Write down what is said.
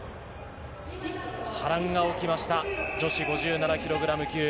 波乱が起きました女子５７ｋｇ級。